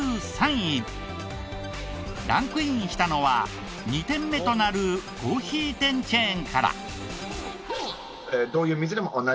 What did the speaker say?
ランクインしたのは２店目となるコーヒー店チェーンから。